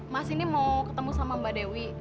mas ini mau ketemu sama mbak dewi